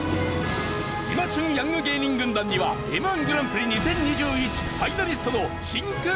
今旬ヤング芸人軍団にはＭ−１グランプリ２０２１ファイナリストの真空ジェシカ！